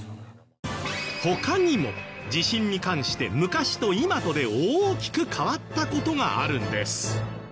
他にも地震に関して昔と今とで大きく変わった事があるんです。